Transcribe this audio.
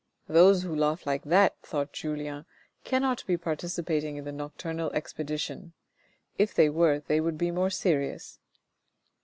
"Those who laugh like that," thought Julien, "cannot be participating in the nocturnal expedition ; if they were, they would be more serious."